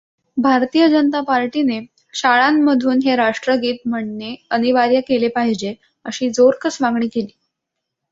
भारतीय जनता पार्टीने शाळांमधून हे राष्ट्रगीत म्हणणे अनिवार्य केले पाहिजे, अशी जोरकस मागणी केली.